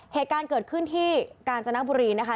เหตุการณ์เกิดขึ้นที่กาญจนบุรีนะคะ